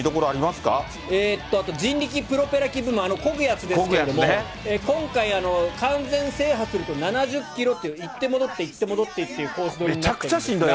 あと人力プロペラ機部門、こぐやつですけども、今回、完全制覇すると７０キロと、行って戻って行って戻ってっていうコース取り。